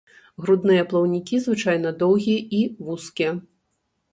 Грудныя плаўнікі звычайна доўгія і вузкія.